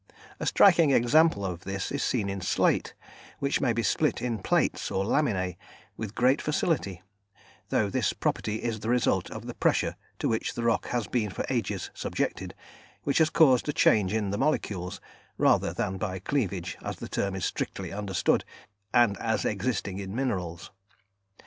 A striking example of this is seen in slate, which may be split in plates, or laminæ, with great facility, though this property is the result of the pressure to which the rock has been for ages subjected, which has caused a change in the molecules, rather than by "cleavage" as the term is strictly understood, and as existing in minerals.